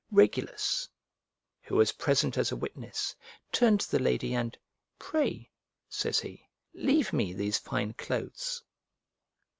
Regulus, who was present as a witness, turned to the lady, and "Pray," says he, "leave me these fine clothes."